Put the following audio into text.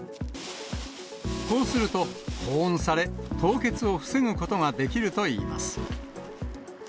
こうすると、保温され、凍結を防ぐことができるといいます。